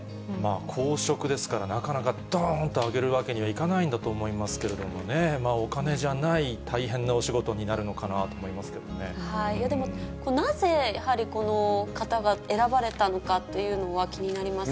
公職ですから、なかなかどーんと上げるわけにはいかないんだと思いますけれどもね、お金じゃない、大変なお仕事になるのかなと思いますけれどもでも、なぜ、やはりこの方が選ばれたのかっていうのは気になりますね。